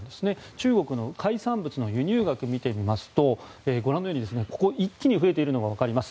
中国の海産物の輸入額を見てみますとご覧のようにここ、一気に増えているのがわかります。